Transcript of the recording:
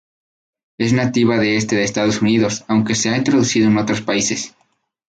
Es nativa del este de Estados Unidos, aunque se ha introducido en otros países.